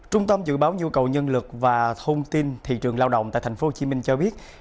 trung tâm dự báo nhu cầu nhân lực và thông tin thị trường lao động tại tp hcm cho biết